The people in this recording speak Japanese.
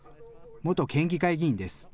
元県議会議員です。